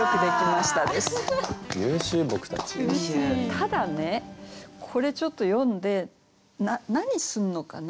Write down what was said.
ただねこれちょっと読んで何すんのかな？